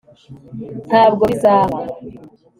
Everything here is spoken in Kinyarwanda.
ntabwo bizaba